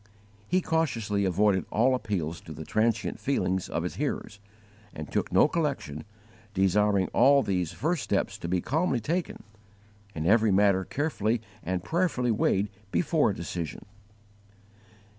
He cautiously avoided all appeals to the transient feelings of his hearers, and took no collection, desiring all these first steps to be calmly taken, and every matter carefully and prayerfully weighed before a decision.